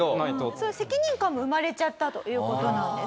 そういう責任感も生まれちゃったという事なんです。